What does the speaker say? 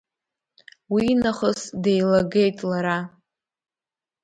Уи нахыс деилагеит лара.